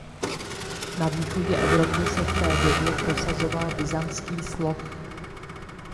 Na východě Evropy se v té době prosazoval byzantský sloh.